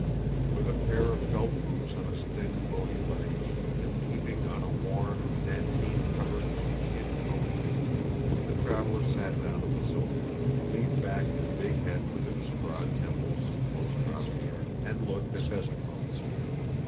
With a pair of felt boots on his thin bony legs, and keeping on a worn, nankeen covered, sheepskin coat, the traveler sat down on the sofa, leaned back his big head with its broad temples and close cropped hair, and looked at Bezúkhov.